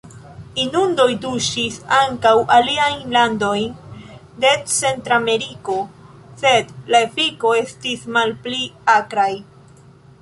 Inundoj tuŝis ankaŭ aliajn landojn de Centrameriko, sed la efiko estis malpli akraj.